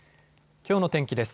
きょうの天気です。